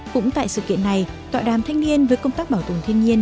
cũng tại sự kiện này tọa đàm thanh niên với công tác bảo tồn thiên nhiên